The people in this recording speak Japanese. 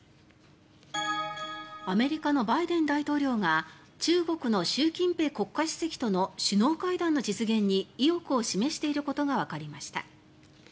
アメリカのバイデン大統領が中国の習近平国家主席との首脳会談の実現に意欲を示していることがわかりました。